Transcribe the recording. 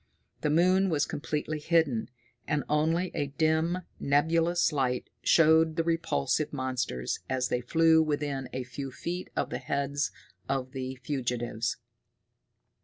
The moon was completely hidden, and only a dim, nebulous light showed the repulsive monsters as they flew within a few feet of the heads of the fugitives.